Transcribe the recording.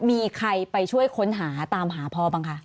มีใครไปช่วยค้นหาตามหาพ่อบ้างคะ